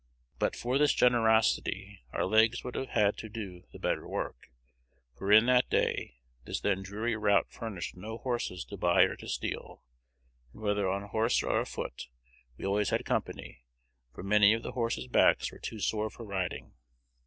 But for this generosity, our legs would have had to do the better work; for in that day, this then dreary route furnished no horses to buy or to steal; and, whether on horse or afoot, we always had company, for many of the horses' backs were too sore for riding.